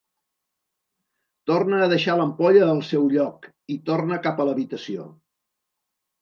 Torna a deixar l'ampolla al seu lloc i torna cap a l'habitació.